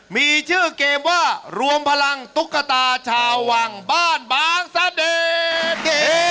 มีชื่อเกมว่ารวมพลังตุ๊กตาชาววังบ้านบางเสด็จเก